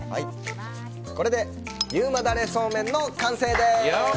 優馬ダレそうめんの完成です！